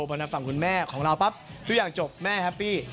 พอทางฝั่งคุณแม่ของเราปั๊บทุกอย่างจบแม่แฮปปี้